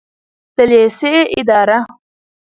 د لیسې اداره